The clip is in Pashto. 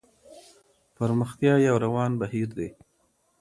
پرمختيا يو روان بهير دی.